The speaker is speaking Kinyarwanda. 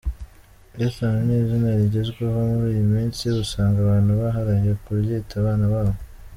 Ethan ni izina rigezweho muri iyi minsi, usanga abantu baharaye kuryita abana babo.